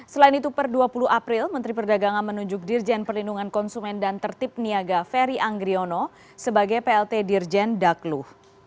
selain itu per dua puluh april menteri perdagangan menunjuk dirjen perlindungan konsumen dan tertip niaga ferry anggriono sebagai plt dirjen daklu